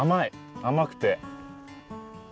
甘くて。